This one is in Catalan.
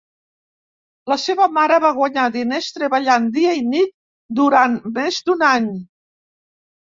La seva mare va guanyar diners treballant dia i nit durant més d'un any